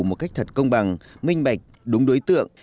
một cách thật công bằng minh bạch đúng đối tượng